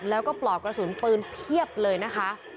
แล้วก็ปลอกกระสุนปืนเพียบเลยนะคะ